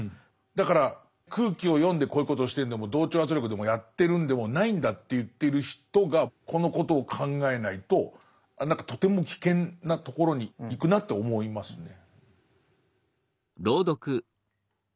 だから空気を読んでこういうことをしてるのでも同調圧力でもやってるんでもないんだと言ってる人がこのことを考えないとああ何かとても危険なところに行くなって思いますね。